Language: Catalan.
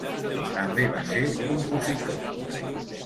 També va ser compositor.